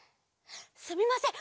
すみません。